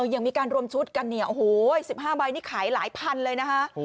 อย่างมีการรวมชุดกัน๑๕ใบนี้ขายหลายพันเลยนะคะ